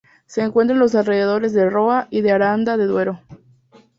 Se encuentra en los alrededores de Roa y de Aranda de Duero.